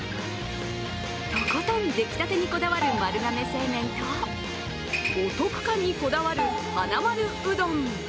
とことん、出来たてにこだわる丸亀製麺とお得感にこだわる、はなまるうどん。